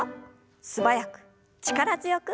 素早く力強く。